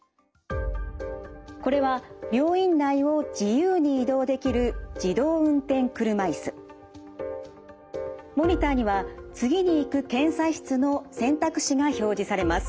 これは病院内を自由に移動できるモニターには次に行く検査室の選択肢が表示されます。